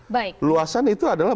baik luasan itu adalah